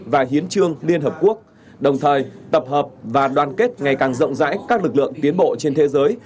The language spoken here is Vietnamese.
và hiến trương liên hợp quốc đồng thời tập hợp và đoàn kết ngày càng rộng rãi các lực lượng tiến bộ trên thế giới